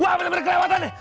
wah bener bener kelewatan nih